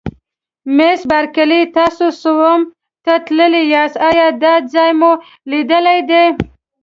مس بارکلي: تاسي سوم ته تللي یاست، ایا دا ځای مو لیدلی دی؟